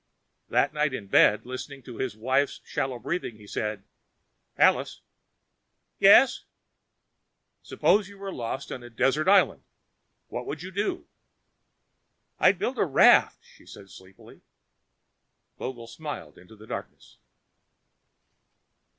That night in bed, listening to his wife's shallow breathing, he said, "Alice." "Yes?" "Supposing you were lost on a desert island. What would you do?" "I'd build a raft," she said sleepily. Vogel smiled into the darkness.